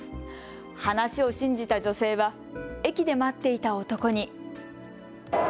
話を信じた女性は駅で待っていた男に。